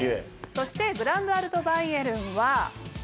そしてグランドアルトバイエルンは。